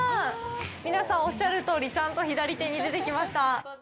皆さんおっしゃるとおりちゃんと左手に出てきました。